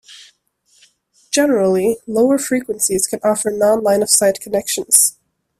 Generally, lower frequencies can offer non-Line-of Sight connections.